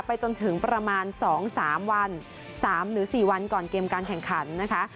จนถึงประมาณ๒๓วัน๓หรือ๔วันก่อนเกมการแข่งขันนะคะ